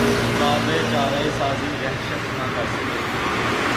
احباب چارہ سازیٴ وحشت نہ کرسکے